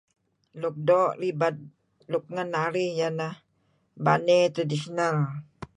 Luk doo' ribed luk ngen narih iyeh neh baney traditional.